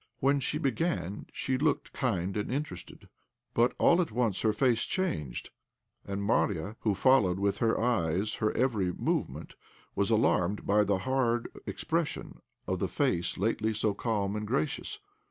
When she began she looked kind and interested, but all at once her face changed, and Marya, who followed with her eyes her every movement, was alarmed by the hard expression of the face lately so calm and gracious.